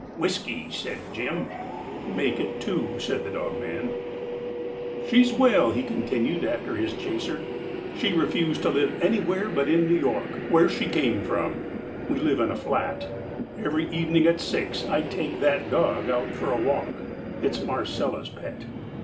"Whiskey," said Jim. "Make it two," said the dogman. "She's well," he continued, after his chaser. "She refused to live anywhere but in New York, where she came from. We live in a flat. Every evening at six I take that dog out for a walk. It's Marcella's pet.